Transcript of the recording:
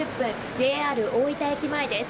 ＪＲ大分駅前です。